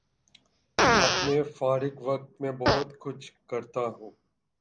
اپنے فارغ وقت میں بہت کچھ کرتا ہوں